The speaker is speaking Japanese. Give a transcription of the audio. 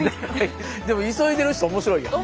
でも急いでる人面白いよな。